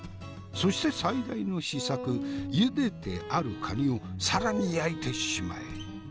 そして最大の秘策茹でてある蟹を更に焼いてしまえ！